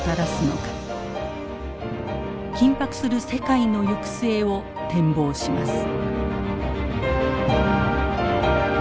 緊迫する世界の行く末を展望します。